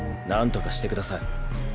なんとかしてください。